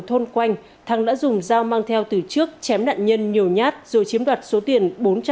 thôn quanh thằng đã dùng dao mang theo từ trước chém nạn nhân nhiều nhát rồi chiếm đoạt số tiền